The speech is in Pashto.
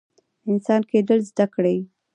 انسان کیدل زده کړئ